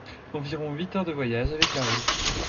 Environ huit heures de voyage avec la route.